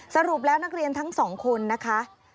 สรุปแล้วนักเรียนทั้งสองคนนะคะ